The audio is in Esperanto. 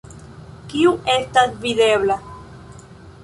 Kiu estas videbla?